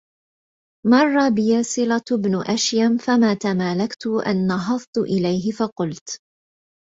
مَرَّ بِي صِلَةُ بْنُ أَشْيَمَ فَمَا تَمَالَكْتُ أَنْ نَهَضْتُ إلَيْهِ فَقُلْتُ